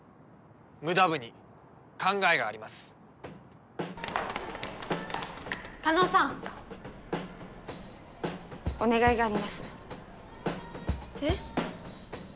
ムダ部に考えがあります叶さんお願いがありますえっ？